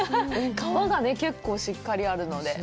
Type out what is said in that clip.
皮が結構しっかりあるので。